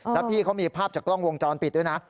แล้วพี่เขามีภาพจากกล้องวงจรปิดด้วยนะ